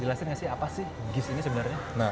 boleh tolong jelaskan apa sih gis ini sebenarnya